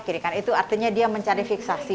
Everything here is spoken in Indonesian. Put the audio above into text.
kiri kan itu artinya dia mencari fiksasi